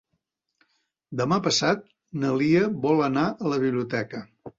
Demà passat na Lia vol anar a la biblioteca.